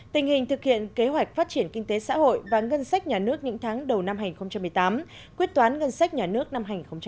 tình hình thực hiện kế hoạch phát triển kinh tế xã hội và ngân sách nhà nước những tháng đầu năm hai nghìn một mươi tám quyết toán ngân sách nhà nước năm hai nghìn một mươi tám